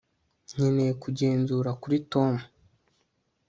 nkeneye kugenzura kuri tom